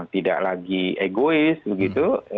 tidak lagi egois begitu